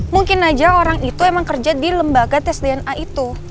mungkin aja orang itu emang kerja di lembaga tes dna itu